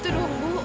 itu dulu ibu